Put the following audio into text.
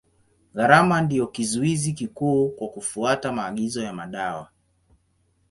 Gharama ndio kizuizi kikuu kwa kufuata maagizo ya madawa.